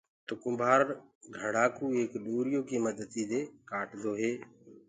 تو ڪُمڀآر گھڙآ ڪو ايڪ ڏوريو ڪيِ مددي دي ڪآٽدو هي۔